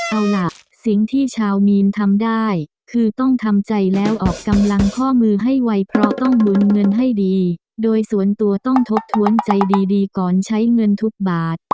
เอาล่ะสิ่งที่ชาวมีนทำได้คือต้องทำใจแล้วออกกำลังข้อมือให้ไวเพราะต้องหมุนเงินให้ดีโดยส่วนตัวต้องทบทวนใจดีก่อนใช้เงินทุกบาท